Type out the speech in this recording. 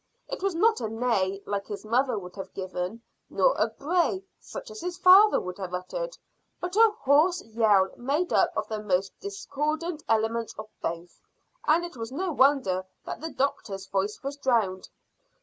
It was not a neigh like his mother would have given, nor a bray such as his father would have uttered, but a hoarse yell made up of the most discordant elements of both, and it was no wonder that the doctor's voice was drowned.